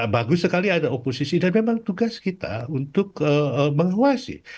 bagus sekali ada oposisi dan memang tugas kita untuk mengawasi